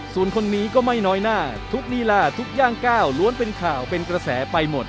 ส่วนคนนี้ก็ไม่น้อยหน้าทุกลีลาทุกย่างก้าวล้วนเป็นข่าวเป็นกระแสไปหมด